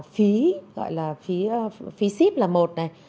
phí gọi là phí ship là một này